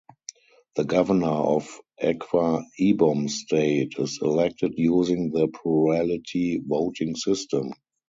The Governor of Akwa Ibom State is elected using the plurality voting system.